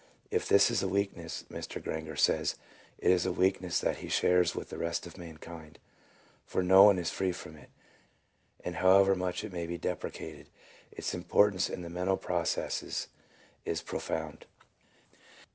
If this is a weakness, as Mr. Granger says, it is a weak ness that he shares with the rest of mankind, for no one is free from it; and however much it may be deprecated, its importance in the mental processes is profound.